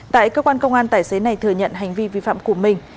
tại cơ quan công an tài xế này thừa nhận hành vi vi phạm của mình